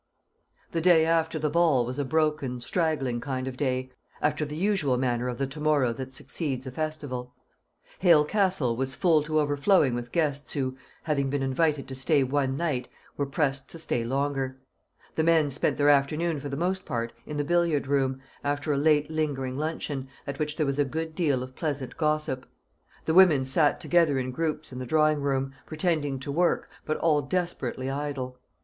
The day after the ball was a broken straggling kind of day, after the usual manner of the to morrow that succeeds a festival. Hale Castle was full to overflowing with guests who, having been invited to spend one night, were pressed to stay longer. The men spent their afternoon for the most part in the billiard room, after a late lingering luncheon, at which there was a good deal of pleasant gossip. The women sat together in groups in the drawing room, pretending to work, but all desperately idle.